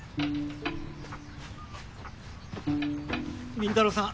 倫太郎さん